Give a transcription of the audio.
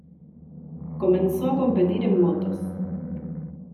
Comenzó a competir en motos.